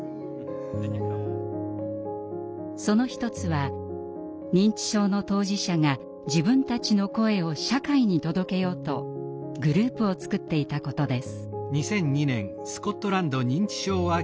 その一つは認知症の当事者が自分たちの声を社会に届けようとグループを作っていたことです。